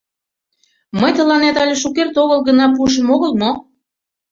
Мый тыланет але шукерте огыл гына пуышым огыл мо?